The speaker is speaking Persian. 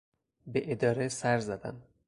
به اداره سر زدم.